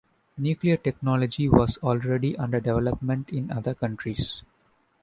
Nuclear technology was already under development in other countries.